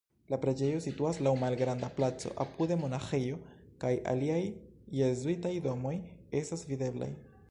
La preĝejo situas laŭ malgranda placo, apude monaĥejo kaj aliaj jezuitaj domoj estas videblaj.